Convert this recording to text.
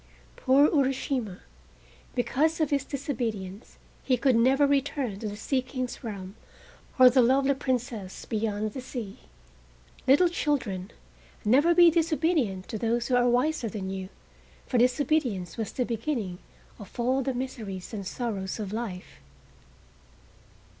Poor Urashima! because of his disobedience he could never return to the Sea King's realm or the lovely Princess beyond the sea. Little children, never be disobedient to those who are wiser than you for disobedience was the beginning of all the miseries and sorrows of life.